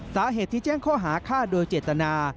สาเหตุที่แจ้งข้อหาฆ่าโดยเจตนา